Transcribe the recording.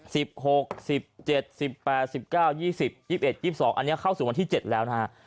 หกสิบเจ็ดสิบแปดสิบเก้ายี่สิบยี่สิบเอ็ดยี่สิบสองอันนี้เข้าสู่วันที่เจ็ดแล้วนะฮะ